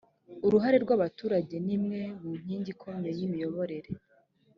uruhare rw abaturage ni imwe mu nkingi ikomeye y imiyoborere